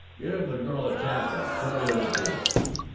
Give the girl a chance to clear away the table."